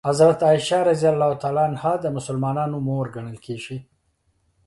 حضرت عایشه رض د مسلمانانو مور ګڼل کېږي.